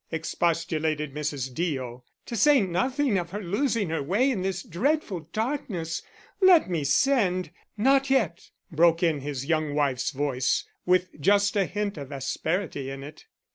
expostulated Mrs. Deo; "to say nothing of her losing her way in this dreadful darkness. Let me send " "Not yet," broke in his young wife's voice, with just the hint of asperity in it.